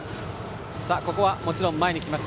ここはもちろん前に来ます